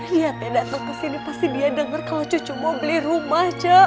dia datang kesini pasti dia denger kalau cucu mau beli rumah cuk